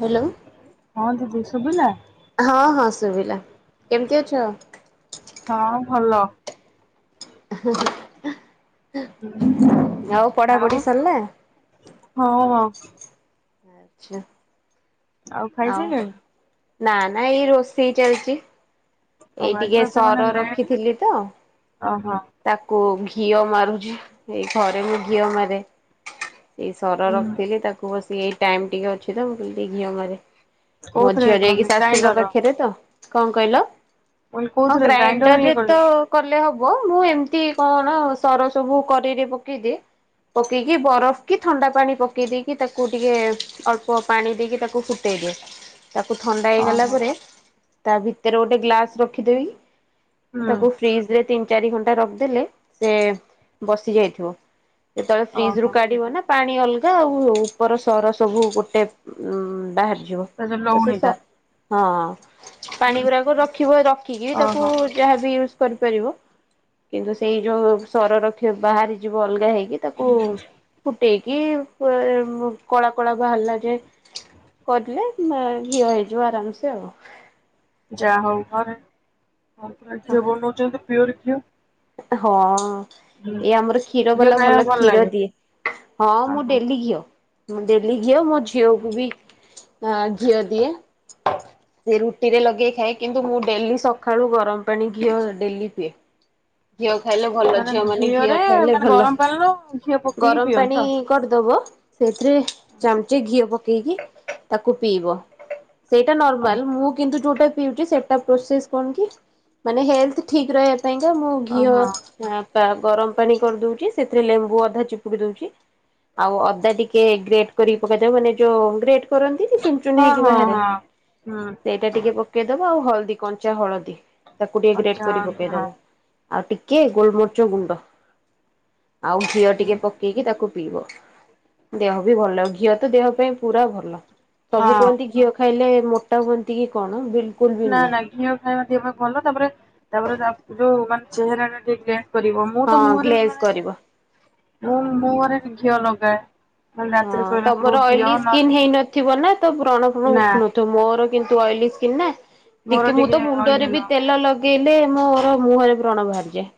Hello. ହଁ ଦିଦି ଶୁଭିଲା? ହଁ ହଁ ଶୁଭିଲା କେମିତି ଅଛ? ହଁ ଭଲ। [unintelligible] ହଁ ପଢାପଢି ଆଉ ସରିଲା? ଆଚ୍ଛା ଆଉ ନା ନା ଏଇ ରୋଷେଇ ଚାଲିଚି ରଖିଥିଲି ତ [unintelligible] ଓହୋ। ତାକୁ ଘିଅ ମାରୁଛି ଏଇ ଘରେ ମୁଁ ଘିଅ ମାରେ ଏ ସର ହୁଁ ରଖିଥିଲି ତାକୁ ବସିକି ଏଇ ଟାଇମ୍ ଟିକେ ଅଛି ତ ମୁଁ କହିଲି ଟିକେ ଘିଅ ମାରେ ମୋ କୋଉଥିରେ ଝିଅ ଇଏ ଯାଇକି କରନ୍ତି ଶାଶୁଙ୍କ ଗ୍ରାଇଣ୍ଡର ମୁଁ ପାଖରେ ତ କଣ କହିଲ? କହିଲି ହଁ କୋଉଥିରେ ଗ୍ରାଇଣ୍ଡର ଇଏ ରେ କରନ୍ତି ତ କଲେ ହବ। ମୁଁ ଏମିତି କଣ ସର ସବୁ କରେଇରେ ପକେଇଦିଏ ପକେଇକି ବରଫ କି ଥଣ୍ଡା ପାଣି ପକେଇ ଦେଇକି ତାକୁ ଟିକେ ଅଳ୍ପ ପାଣି ଦେଇକି ତାକୁ ଫୁଟେଇଦିଏ। ହଁ ତାକୁ ଥଣ୍ଡା ହେଇଗଲା ପରେ ତା ଭିତରେ ଗୋଟେ ଗ୍ଲାସ୍ ରଖିଦେବି ହୁଁ ତାକୁ ଫ୍ରିଜ ରେ ତିନି ଚାରି ଘଣ୍ଟା ରଖିଦେଲେ ସେ ବସି ଯାଇଥିବ ଯେତେବେଳେ ଫ୍ରିଜ ରୁ ଓହୋ କାଢ଼ିବ ନା ପାଣି ଅଲଗା ଆଉ ଉପର ସର ସବୁ ଗୋଟେ ଉ ବାହାରି ଯିବ ତା ଯୋଉ ତ ସେ ଲହୁଣୀ ଟା ସ ହଁ। ପାଣି ଗୁରାକ ରଖିବ ରଖିକି ତାକୁ ଓହୋ ଯାହାବି ୟୁଜ କରିପାରିବ। କିନ୍ତୁ ସେଇ ଯୋଉ ସର ରଖିବ ବାହାରି ଯିବ ଅଲଗା ହେଇକି ତାକୁ ଫୁଟେଇକି ବ କଳା କଳା ବାହାରିଲା ଯାଏଁ କରିଲେ ଘିଅ ହେଇଯିବ ଆରାମସେ ଆଉ ଯାହା ହଉ ଘରେ ଘରୁଆ ଘିଅ ବନଉଛନ୍ତି ପିଓର ଘିଅ। ହଁ। ହୁଁ ଏଇ ଆମର କ୍ଷୀର ଘିଅ ବାଲା ଖାଇବାକୁ ଭଲ କ୍ଷୀର ଲାଗେ ଦିଏ ହଁ ମୁଁ ଓହୋ ଡେଲି ଘିଅ। ମୁଁ ଡେଲି ଘିଅ ମୋ ଝିଅକୁ ବି ଅ ଘିଅ ଦିଏ ସେ ରୁଟି ରେ ଲଗେଇ ଖାଏ କିନ୍ତୁ ମୁଁ ଡେଲି ସଖାଳୁ ଗରମ ପାଣି ଘିଅ ଡେଲି ପିଏ। ଘିଅ ଖାଇଲେ ଭଲ ଝିଅ ମାନେ ଘିଅ ଘିଅରେ ଖାଇଲେ ମାନେ ଭଲ ଗରମ ପାଣିରୁ ଘିଅ ପକେଇକି ଗରମ ପିଅନ୍ତି ପାଣି ତ କରିଦବ ସେଥିରେ ଚାମଚେ ଘିଅ ପକେଇକି ତାକୁ ପିଇବ। ସେଇଟା ଓହୋ ନର୍ମାଲ ମୁଁ କିନ୍ତୁ ଯୋଉଟା ପିଉଛି ସେ ତା ପ୍ରୋସେସ୍ କଣ କି ମାନେ ହେଲଥ୍ ଠିକ୍ ରହିବା ପାଇଁକା ମୁଁ ଘିଅ ଓହୋ। ହଁ ପା ଗରମ ପାଣି କରିଦଉଚି ସେଥିରେ ଲେମ୍ବୁ ଅଧା ଚିପୁଡ଼ି ଦଉଛି ଆଉ ଅଦା ଟିକେ ଗ୍ରେଟ୍ କରିକି ପକେଇଦେବେ ମାନେ ଯୋଉ ଗ୍ରେଟ୍ କରନ୍ତି ସେ ଚୁନ୍ ଚୁନ୍ ହଁ ହେଇକି ହଁ ବାହାରେ ହଁ ହୁଁ ସେ ଟା ଟିକେ ପକେଇଦବ ଆଉ ହଳଦୀ କଞ୍ଚା ହଳଦୀ ତାକୁ ଟିକେ କଞ୍ଚା ଗ୍ରେଟ୍ କରି ହଁ ପକେଇଦବ। ଆଉ ଟିକେ ଗୋଲ ମରିଚ ଗୁଣ୍ଡ ଆଉ ଘିଅ ହୁଁ ଟିକେ ପ କେଇକି ତାକୁ ପିଇବ ଦେହ ବି ଭଲ ଘିଅ ତ ଦେହ ପାଇଁ ପୁରା ଭଲ ସବୁ ହଁ। କୁହନ୍ତି ଘିଅ ଖାଇଲେ ମୋଟା ହୁଅନ୍ତି କି କଣ ବିଲ୍ ନାଁ ନାଁ ଘିଅ ଖାଇବା ଦେହ ପାଇଁ ଭଲ ତାପରେ ତାପରେ ଦା ଯୋଉ ମାନେ ଚେହେରା ଟିକେ ଗେ କରିବ ମୁଁ ତ ହଁ ମୁହଁରେ ଇ ଗ୍ଲେଜ କରିବ। ମାନେ ମୁଁ ମୁହଁରେ ଘିଅ ନଗାଏ। ହଁ ତମର ଅଏଲି ସ୍କିନ୍ ହେଇନଥିବ ନାଁ ତ ବ୍ରଣ ଫ୍ରଣ ନା ଉଠୁନ ତ ମୋର କିନ୍ତୁ ଅଏଲି ସ୍କନ୍ ନା ମୋର ଟିକେ ମୁଁ ତ ଅଏଲି ମୁଣ୍ଡରେ ବି ନୁହଁ। ତେଲ ଲ ଗେଇଲେ ମୋର ମୁହଁରେ ବ୍ରଣ ବାହାରିଯାଏ।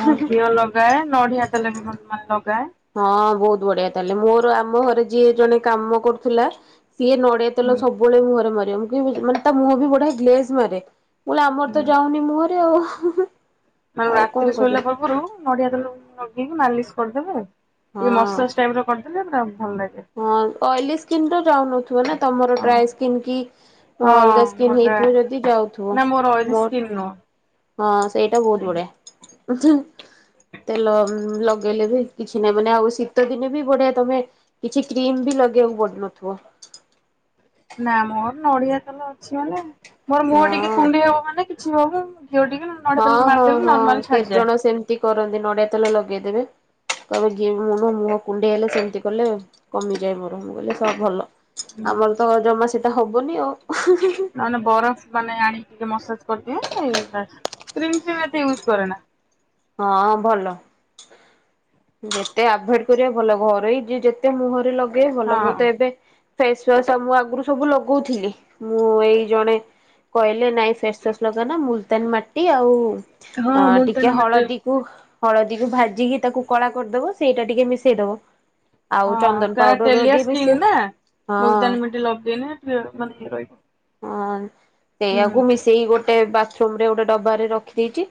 ମୁଁ ଘିଅ ଲଗାଏ ନଡ଼ିହା ତେଲ ବି ମାନେ ଲଗାଏ। ହଁ ବହୁତ ବଢ଼ିଆ ତାଲେ ମୋର ଆମ ଘରେ ଯିଏ ଜଣେ କାମ କରୁଥିଲା ସିଏ ନ ଡ଼ିଆ ତେଲ ସବୁବେଳେ ମୁହଁରେ ମାରିବ ମୁଁ କହିବି ଯୋ ମାନେ ତା ମୁହଁ ବି ବଢ଼ିଆ ଗ୍ଲେଜ୍ ମାରେ। ମୁଁ ଲି ଆମର ତ ଯାଉନି ମୁହଁରେ ଆଉ। ମାନେ ଆଉ କଣ ରାତିରେ ଶୋଇଲା କରିବା। ପୂର୍ବରୁ ନଡ଼ିଆ ତେଲ ଲଗେଇକି ମାଲିସ୍ କରିଦେବେ। ଏଇ ହଁ ମସାଜ ଟାଇମ୍ ର କରିଦେଲେ ପୁରା ଭଲ ଲାଗେ। ହଁ ଅଏଲି ସ୍କିିନ୍ ର ଯାଉନଥୁବ ନାଁ ତମର ଡ୍ରାଏ ହଁ। ସ୍କିନ୍ କି ଅଁ ହଁ ଅଲଗା ସ୍କିନ୍ ମୋତେ ହେଇଥିବ ଯଦି ଯାଉଥୁବ ମୋର ନୋ। ହଁ ସେଇଟା ବହୁତ ବଢ଼ିଆ। ତେଲ ଲଗେଇଲେ ବି କିଛି ନାହିଁ ମାନେ ଆଉ ଶୀତ ଦିନେ ବି ବଢ଼ିଆ ତମେ କିଛି କ୍ରିମ୍ ବି ଲଗେଇବାକୁ ପଡୁନଥୁବ। ନାଁ ମୋର ନଡ଼ିଆ ତେଲ ଅଛି ମାନେ ମୋର ମୁହଁ ଟିକେ ହଁ କୁଣ୍ଡେଇ ହବ ମାନେ କିଛି ହବ ମୁଁ ଘିଅ ଟିକେ ନଡିଆ ହଁ ତେଲ ହଁ ମାରିଦେଲେ ହଁ ନର୍ମାଲ କେତେ ଛାଡିଯାଏ। ଜଣ ସେମିତି କରନ୍ତି ନଡ଼ିଆ ତେଲ ଲଗେଇଦେବେ। କଇବ ଯିଏ ବି ମୁଣ୍ଡ ମୁହଁ କୁଣ୍ଡେଇ ହେଲେ ସେମତି କଲେ କମିଯାଏ ମୋର ମୁଁ କହିଲେ ସା ଭଲ। ଆମର ତ ଅ ଜମା ସେଟା ହବନି ଆଉ। ନହେନେ ବରଫ୍ ମାନେ ଆଣିକି ଟିକେ ମସାଜ୍ କରିଦିଏଁ ଏଇରା କ୍ରିମ୍ ଫ୍ରିମ୍ ଏତେ ୟୁଜ କରେ ନା। ହଁ ଭଲ। ଯେତେ ଆଭଏଡ଼ କରିବା ଭଲ ଘରୋଇ ଯିଏ ଯେତେ ମୁହଁରେ ଲଗେଇ ହଁ ଭଲ ମୁଁ ତ ଏବେ ଫେସ୍ ୱାସ୍ ଆଉ ମୁଁ ଆଗୁରୁ ସବୁ ଲଗଉଥିଲି ମୁଁ ଏଇ ଜଣେ କହିଲେ ନାଇଁ ଫେସ୍ ଫେସ୍ ଲଗନା ମୁଲତାନୀ ମାଟି ଆଉ ଅ ଟିକେ ହଳଦୀ ଉଃ ହଳଦୀକୁ ଭାଜିକି ତାକୁ କଳା କରିଦବ ସେଇଟା ଟିକେ ମିଶେଇ ଦବ। ହଁ କେଳେ ତେଲିଆ ସ୍କିନ୍ ନା ହଁ ମୁଲତାନୀ ମିଣ୍ଟି ଲଗେଇନେ ପିଏ ମାନେ ରଇବ। ହଁ ସେଇୟାକୁ ମିଶେଇ ଗୋଟେ ବା ଛୁମ୍ ରେ ଗୋଟେ ଡବାରେ ରଖିଦେଇଚି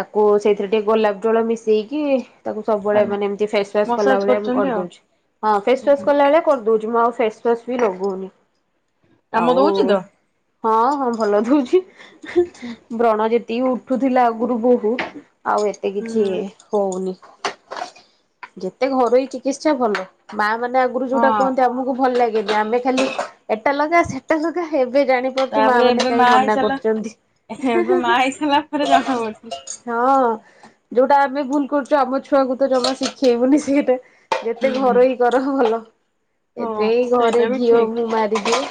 ତାକୁ ସେଇଥିରେ ଟିକେ ଗୋଲାପ ଜଳ ମିଶେଇକି ତାକୁ ସବୁବେଳେ ମାନ ଏମତି ଫେସ୍ ୱାସ୍ କଲା ମସାଜ ଭଳିଆ ମୁଁ କରୁଛନ୍ତି ଆଉ କରିଦଉଚି। ହଁ ଫେସ୍ ୱାସ୍ କଲା ଭଳିଆ କରିଦୋଉ ଚି ମୁଁ ଆଉ ଫେସ୍ ୱାସ୍ ବି ଲଗଉନି କାମ ଦଉଛି ତ ଆଉ ହଁ ହଁ ଭଲ ଦୋଉଚି ବ୍ରଣ ଯେ ତି ଉଠୁଥିଲା ଆଗରୁ ବୋହୁ ଆଉ ଏତେ କିଛି ହୁଁ ହଉନି। ଯେତେ ଘରୋଇ ଚିକିତ୍ସା ଭଲ ମାମାନେ ଆଗୁରୁ ଯୋଉଟା ହଁ। କୁହନ୍ତି ଆମୁକୁ ଭଲ ଲାଗେନି ଆମେ ଖାଲି ଏଟା ଲଗା ସେଟା ଲଗା ଏବେ ଜାଣି ପାରୁଚୁ ତାପରେ ମାମାନେ ଏବେ କାଇଁ ମା ମନା ହେଇସାରିଲା କରୁଚନ୍ତି। ଏବେ ମା ହେଇସାରିଲା ପରେ ଜଣା ପଡୁଛି। ହଁ ଯୋଉଟା ଆମେ ଭୁଲ୍ କରୁଚୁ ଆମ ଛୁଆକୁ ତ ଜମା ଶିଖେଇବୁନି ସେଇଟା। ଯେତେ ହୁଁ। ଘର ହି କର ଭଲ ହଁ ଏତେ ଘରେ ସେଇଟା ବି ଘିଅ ଠିକ୍ ମୁ ମାର ବିଦୁ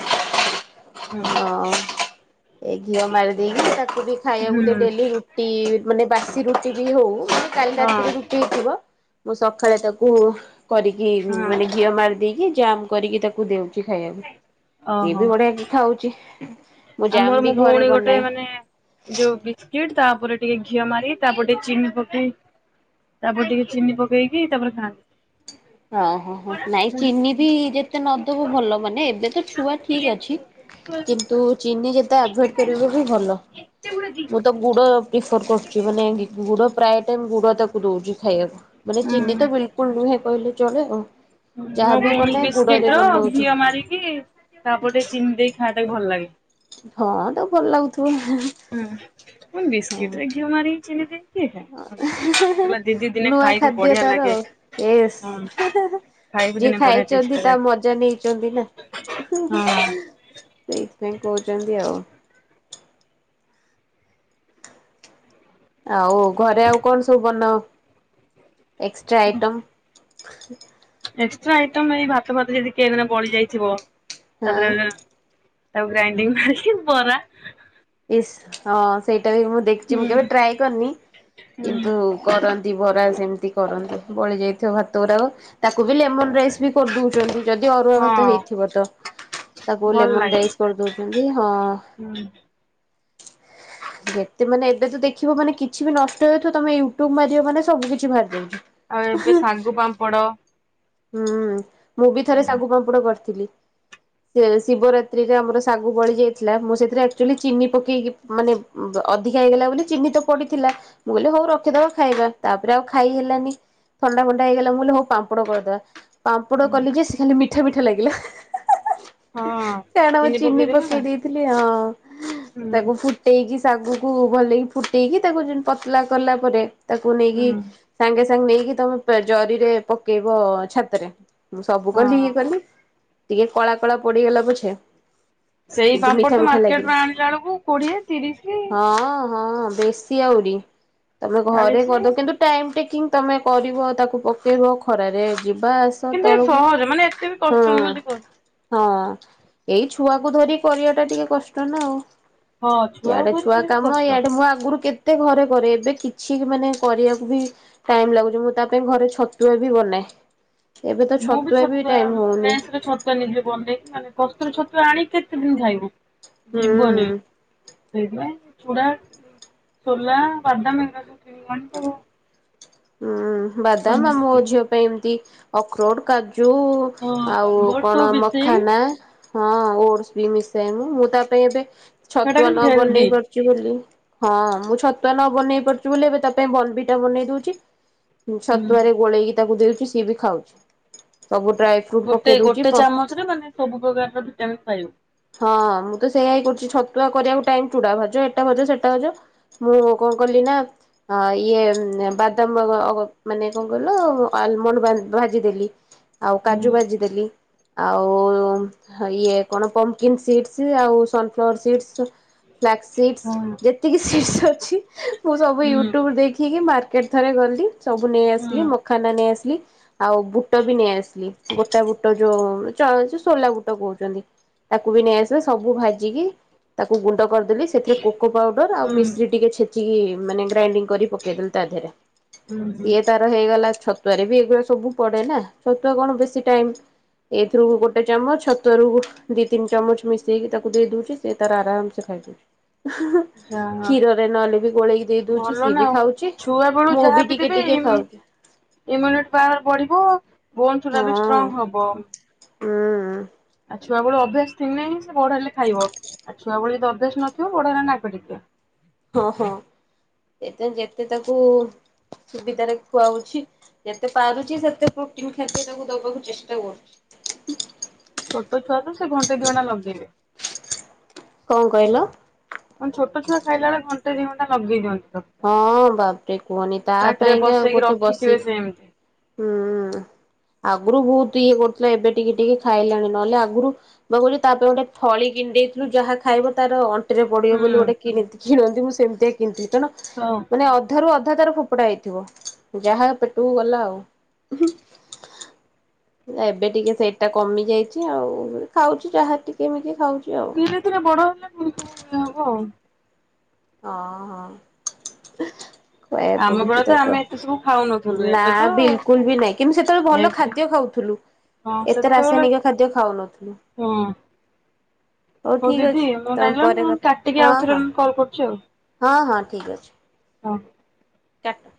ହୁଁ। ହଁ। ଏ ଘିଅ ମାରି ଦେଇକି ତାକୁ ବି ଖାଇବାକୁ ଦେଇ ହୁଁ। ଦେଲି ରୁଟି ମାନେ ବାସି ରୁଟିବି ହଉ କାଲି ରାତି ହଁ ଥିବ ମୁଁ ସକାଳେ ତାକୁ କରିକି ହଁ ମାନେ ଘିଅ ମାରି ଦେଇକି ଜାମ୍ କରିକି ତାକୁ ଦେଉଛି ଖାଇବାକୁ ସିଏ ଓହୋ ବି ବଢିଆ କି ଖାଉଛି। ମୁଁ ଜାମ୍ ଆମର ବି ମୋ ଘରେ ଭଉଣୀ ଗୋଟେ ବନାଏ। ମାନେ ଯୋଉ ବିସ୍କିଟ ତାପରେ ଟିକେ ଘିଅ ମାରି ତାପରେ ଟିକେ ଚିନି ପକ ତାପରେ ଟିକେ ଚିନି ପକେଇକି ତାପରେ ଖାଆନ୍ତି। ଓହୋ ହୋ ନାଇଁ ହୁଁ ଚିନି ବି ଯେତେ ନଦବ ଭଲ ମାନେ ଏବେ ତ ଛୁଆ ଠିକ ଅଛି। [inaudible] ତୁ ଚିନି ଯେତେ ଆଭଏଡ କରିବୁ ବି ଭଲ ମୁଁ ତ ଗୁଡ଼ ପ୍ରି କରୁ ମାନେ ଗୁଡ ପ୍ରାୟ ଟାଇମ ଗୁଡ ତାକୁ ଦଉଛି ଖାଇବାକୁ। ମାନେ ଚିନି ତ ବିଲକୁଲ ନୁହେଁ କହିଲେ। ଚଳେ ଆଉ। ମୋ ଯାହାବି ଭଉଣୀ ବନାଏ ଗୁଡରେ ବିସ୍କିଟ ର ବନଉଛି। ଘିଅ ମାରି ମିଶିକି ତାପଟେ ଚିନି ଦେଇ ଖାଆବାଟାକୁ ଭଲ ଲାଗେ। ହଁ ତାକୁ ଭଲ ଲାଗୁଥିବ। ହୁଁ କଣ ବିସ୍କିଟ ରେ ଘିଅ ମାରିକି ଚିନି ଦେଇକି କିଏ ଖାଏ। ହେଁ ହେଁ ହେଲା ଦିଦି ହେଁ ଦିନେ ନୂଆ ଖାଇବୁ ଖାଦ୍ୟ ବଢିଆ ତାର ଲାଗେ ଏସ୍ ହଁ ହେଁ ହେଁ ହେଁ। ଖାଇବୁ ଯିଏ ଦିନେ ବଢିଆ ଖାଇଛନ୍ତି ଟେଷ୍ଟି ତା ଲାଗେ। ମଜା ନେଇଛନ୍ତି ନା ହୁଁ ହୁଁ। ହଁ ସୋଇଥିପାଇଁ କହୁଛନ୍ତି ଆଉ। ଆଉ ଘରେ ଆଉ କଣ ସବୁ ବନାଅ ଏକ୍ସଟ୍ରା ଆଇଟମ୍? ଏକ୍ସଟ୍ରା ଆଇଟ ଏଇ ଭାତ ଫାତ ଯଦି କେ ଦିନ ବଳି ଯାଇଥିବ ତା ହଁ ଦେହରେ ତାକୁ ଗ୍ରାଇଣ୍ଡିଙ୍ଗ କରିକି ବରା ଇସ୍ ହଁ ସେଇଟା ବି ମୁଁ ଦେଖିଛି ହୁଁ ମୁଁ କେବେ ଟ୍ରାଏ କରିନି ହୁଁ କିନ୍ତୁ କରନ୍ତି ବରା ସେମିତି କରନ୍ତି ବଳି ଯାଇଥିବ ଭାତ ଗୁରାକ ତାକୁ ବି ଲେମନ ରାଇସ୍ ବି କରିଦଉଛନ୍ତି। ଯଦି ଅରୁଆ ଭାତ ହଁ ହେଇଥିବ ତ ତାକୁ ଭଲ ଲେମନ ଲାଗେ। ରାଇସ୍ କରିଦଉଛନ୍ତି ହଁ। ହୁଁ। ଯେତେମାନେ ଏବେ ତ ଦେଖିବ ମାନେ କିଛି ବି ନଷ୍ଟ ହୁଏଥିବ ତମେ ୟୁଟ୍ୟୁବ ମାରିବ ମାନେ ସବୁ କିଛି ବାହାରି ଜାଉଛି। ଆଉ ଏବେ ଶାଗୁ ପାମ୍ପଡ। ହୁଁ ମୁଁ ବି ଥରେ ହୁଁ। ଶାଗୁ ପାମ୍ପୁଡ କରିଥିଲି। ଶିବରାତ୍ରିରେ ଆମର ଶାଗୁ ବଳି ଯାଇଥିଲା ମୁ ସେଥିରେ ଆକ୍ଚୁଲି ଚିନି ପକେଇକି ମାନେ ଅଧିକା ହେଇଗଲା ବୋଲି ଚିନି ତ ପଡିଥିଲା ମୁଁ କହିଲି ହଉ ରଖିଦବା ଖାଇବା ତାପରେ ଆଉ ଖାଇ ହେଲାନି। ଥଣ୍ଡା ଫଣ୍ଡା ହେଇଗଲା ମୁଁ କହିଲି ହଉ ପାମ୍ପଡ଼ କରିଦେବା। ପାମ୍ପୁଡ କଲି ଯେ ସେ ଖାଲି ମିଠା ମିଠା ଲାଗିଲା ହେଁ ହେଁ ହେଁ। ହଁ କାହିଁକି ନା ମୁଁ ଚିନି ପକେଇଦେଲ ନା ପକେଇ ଦେଇଥିଲି ହଁ ହୁଁ ତାକୁ ଫୁଟେଇକି ଶାଗକୁ ଭଲକି ଫୁଟେଇକି ତାକୁ ପତଲା କଲା ପରେ ତାକୁ ନେଇକି ହୁଁ ସାଙ୍ଗେସାଙ୍ଗେ ନେଇକି ତମେ ଜରିରେ ପକେଇବ ଛାତରେ। ମୁଁ ସବୁ କଲି ଇଏ ହଁ। କଲି ଟିକେ କଳା କଳା ପଡିଗଲା ପଛେ ସେଇ କିନ୍ତୁ ପାମ୍ପଡ଼ ମିଠା ତ ମିଠା ଲାଗିଲା। ମାର୍କେଟରୁ ଆଣିଲା ବେଳକୁ କୋଡିଏ ତିରିସି। ହଁ ହଁ ବେଶୀ ଆହୁରି ତମେ ଘରେ ଚାଳିଶି କରିଦବ କିନ୍ତୁ ଟାଇମ୍ ଟେକିଂ ତମେ କରିବ ତାକୁ ପକେଇବ ଖରାରେ ଯିବା ଆ ତ କିନ୍ତୁ ଏ ତଳକୁ ସହଜ ମାନେ ଏତେ ବି ହଁ! କଷ୍ଟ ନୁହଁ ଯେ ହଁ ଏଇ ଛୁଆକୁ ଧରି କରିବା ଟା ଟିକେ କଷ୍ଟ ନା ଆଉ। ହଁ ଛୁଆକୁ ଇଆଡେ ଧରି ଛୁଆ କରିବା କାମ କଷ୍ଟ। ଇଆଡେ ମୁଁ ଆଗରୁ କେତେ ତେ ଘରେ କରେ ଏବେ କିଛି ବି ମାନେ କରିବାକୁ ବି ଟାଇମ ଲାଗୁଚି ମୁଁ ତା ପାଇଁ ଘରେ ଛତୁଆ ବି ବନାଏ। ଏବେ ତ ଛତୁଆ ବି ଟାଇମ ହଉନି। ମୁଁ ପା ନିଜେ ବନେଇକି ମାନେ କସ୍ତୁର ଛତୁ ଆଣିି କେତେ ଦିନି ଖାଇବୁ ହୁଁ ଯିବନେଇ। ସେଇଥିପାଇଁ ଛୁଡା ସୋଲା ବାଦାମ ଏଇଗୁରା ସବୁ କିଣିକି ଆଣି ସବୁ ଉଁ ବାଦାମ ଆ ମୋ ମିଶେଇ ଝିଅ ପାଇଁ ଏମତି ଅଖରୋଟ କାଜୁ ଆଉ ହଁ ବୋଟ କଣ ସବୁ ମିଶେଇ ମଖାନା ହଁ ଓଟସ ବି ମିଶାଇ ମୁଁ ମୁଁ ତା ପାଇଁ ଏବେ ସେଟା ଛତୁଆ କିନ୍ତୁ ନ ହେଲ୍ଦି। ବନେଇ ପାରୁ ଚି ବୋଲି ହଁ ମୁଁ ଛତୁଆ ନ ବନେଇ ପାରୁଚି ବୋଲି ଏବେ ତା ପାଇଁ ବର୍ନଭିଟା ବନେଇ ଦଉଚି। ହୁଁ ଛତୁଆରେ ଗୋଳେଇକି ତାକୁ ଦେଉଚି ସିଏ ବି ଖାଉଚି ସବୁା ଡ୍ରାଏଫ୍ରୁ ଗୋଟେ ଗୋଟେ ଚାମଚ ରେ ମାନେ ସବୁ ପ୍ରକାରର ଭିଟାମନ୍ ପାଇବ। ହଁ ମୁଁ ତ ସେଇଆ ହି କରୁଚି ଛତୁଆ କରିବାକୁ ଟାଇମ ଚୁଡା ଭାଜ ଏଟା ଭାଜ ସେଟା ଭାଜ ମୁଁ ମୁଁ କଣ କଲି ନା ହଁ ଇଏ ନେ ବା ଦାମ ଅ ଅ ଅଗ ମାନେ କଣ କହିଲ ଆଲମଣ୍ଡ ଭାନ୍ ଭାଜିଦେଲି। ଆଉ ହୁଁ କାଜୁ ବାଜି ଦେଲି। ଆଉ ହ ଇଏ କଣ ପମ୍କିନ୍ ସିଡସ୍ ଆଉ ସନଫ୍ଲାୱାର ସିଡସ୍ ଫ୍ଲାଗ ସିଡସ୍ ହଁ ଯେତିକି ସିଡସ୍ ଅଛି ମୁଁ ସବୁ ହୁଁ। ୟୁଟ୍ୟୁବ ଦେଖିକି ମାର ଥରେ ଗଲି ସବୁ ହୁଁ ନେଇଆସିଲି ମଖାନା ନେଇ ଆସିଲି। ଆଉ ବୁଟ ବି ନେଇ ଆସିଲି ଗୋଟା ବୁଟ ଯୋଉ ଚ ଯୋଉ ସୋଲା ବୁଟ କହୁଚନ୍ତି। ତାକୁ ବି ନେଇଆସିବେ ସବୁ ଭାଜିକି ତାକୁ ଗୁଣ୍ଡ କରିଦ ଲି ସେଥିରେ କୋକୋ ପାଉଡର ହୁଁ ଆଉ ମିସ୍ରି ଟିକେ ଛେଚିକି ମାନେ ଗ୍ରାଇଣ୍ଡିଙ୍ଗ କରି ପକେଇଦେଲି ତା ଧେରେ। ହୁଁ ହୁଁ। ତାର ହେଇଗଲା ଛତୁଆରେ ବି ଏଗୁରା ସବୁ ପଡେ ନା ଛତୁଆ କଣ ବେଶୀ ଟାଇମ୍ ଏଇଥିରୁ ଗୋଟେ ଚାମଚ ଛତୁଆରୁ ଦି ତିନି ଚାମଚ ମିଶେଇକି ତାକୁ ଦେଇଦଉଚି ସେ ତାର ଆରାମ ସେ ଖାଇଦଉଚି। ଯାହା କ୍ଷୀରରେ ନହେଲେ ବି ଗୋଳେଇକି ଦେଇଦଉଚି ସିଏ ବି ଖାଉଚି। ଉଆବେଳୁ ଯାହାବି ଦେବେ ଇମ୍ ଇମୁନିଟ୍ ପାୱାର ବଢିବ ବୋନ୍ସ ଉଡା ବି ହଁ ଷ୍ଟ୍ରଙ୍ଗ ହବ। ହୁଁ। ଆଉ ଛୁଆବେଳୁ ଅଭ୍ୟାସ ଥିନେହିଁ ସେ ବଡ଼ ହେଲେ ଖାଇବ ଆଉ ଛୁଆବେଳେ ଯଦି ଅଭ୍ୟାସ ନଥିବ ବଡହେନେ ନାକ ଟେକିବ। ହଁ ହଁ ଏବେ ଯେତେ ତାକୁ ସୁବିଧାରେ ଖୁଆଉଛି ଯେତେ ପାରୁଛି ସେତେ ପ୍ରୋଟିନ ଖାଦ୍ୟ ତାକୁ ଦବାକୁ ଚେଷ୍ଟା କରୁଚି। ଛୋଟଛୁଆ ତ ସେ ଘଣ୍ଟେ ଦିଅଣ୍ଟା ଲଗେଇବେ। କଂ କହିଲ? ମୁଁ ନି ଛୋଟଛୁଆ ଖାଇଲାବେଳେ ଘଣ୍ଟେ ଦିଘଣ୍ଟା ଲଗେଇ ଦିଅନ୍ତି ତ। ହଁ ବାପରେ କୁହନି ତା ପାଇଁକା ଆଉ ପସେଇକି ଗୋଟେ ବସି ରଖିଥିବେ ସେମିତି ହୁଁ ଆଗୁରୁ ବହୁତ ଇଏ କରୁଥିଲା ଏବେ ଟିକେ ଟିକେ ଖାଇଲାଣି ନହେଲେ ଆଗୁରୁ ମୁଁ ପା କଉଚି ତାପଇଁ ଗୋଟେ ଥଳି କିଣି ଦେଇଥିଲୁ ଯାହା ଖାଇବ ତାର ଅନ୍ ଅଣ୍ଟି ରେ ହୁଁ ପଡ଼ିବ ବୋଲି ଗୋଟେ କି କିଣନ୍ତି ମୁଁ ସେମିତିଆ କିଣିଥିଲି ତେଣୁ [inaudible] ମାନେ ଅଧାରୁୁ ଅଧା ତାର ଫୋପଡା ହେଇଥିବ ଯାହା ପେଟକୁ ଗଲା ଆଉ। ନା ଏବେ ଟିକେ ସେଇଟା କମି ଯାଇଚି ଆଉ ଖାଉଚି ଯାହା ଟିକେମିକେ ଖାଉଚି ଆଉ। ଧୀରେ ଧୀରେ ବଡ ହେଲେ ପୁଣି ସବୁ ଇଏ ହବ ଆଉ। ହଁ- ହଁ। ଖାଇବାକୁ ଆମ ପଡୁଚି ବେଳେ ତ ତାକୁ ଆମେ ଏତେ ସବୁ ଖାଉନଥିଲୁ ଆଉ ନା ଏବେ ତ ବିଲକୁଲ୍ ବି ନାହିଁ କିନ୍ତୁ ସେତେବେଳେ ଭଲ ଏବେ ଖାଦ୍ୟ ଖାଉଥୁଲୁ। ହଁ ଏତେ ସେତେବେଳେ ରାସାୟନିକ ଖାଦ୍ୟ ଖାଉନଥିଲୁ। ହୁଁ ହଉ ଠିକ୍ ଦିଦି ଅଛି ମୁଁ ତମେ ଲାଗିଲା ପରେ ମୁଁ କଥ୍ କାଟିକି -ହଁ- ଆଉଥରେ ହଁ। କଲ୍ କରୁଚି ଆଉ। ହଁ ହଁ ଠିକ୍ ଅଛି। ହଁ। କାଟ।